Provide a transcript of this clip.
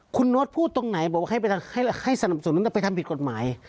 คุณโน๊ตพูดตรงไหนบอกให้สนับสนุนไปทำผิดกฎหมาย